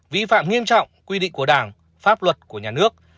vi phạm nghiêm trọng quy định của đảng pháp luật của nhà nước